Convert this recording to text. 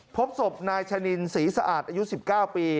พบศพนายชะนินศรีสะอาดอายุ๑๙ปี